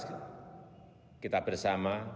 dengan usaha keras kita bersama